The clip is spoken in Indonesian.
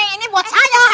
ini buat saya